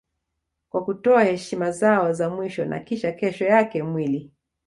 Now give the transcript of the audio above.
Kwa kutoa heshima zao za mwisho na kisha kesho yake mwili